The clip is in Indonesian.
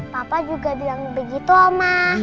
papa juga bilang begitu omah